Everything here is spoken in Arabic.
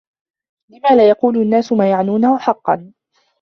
لم لا يقول النّاس ما يعنونه حقّا؟